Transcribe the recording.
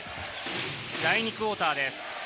第２クオーターです。